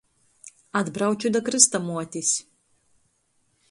Atbrauču da krystamuotis.